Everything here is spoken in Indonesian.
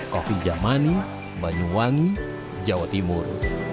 kofi jamani banyuwangi jawa timur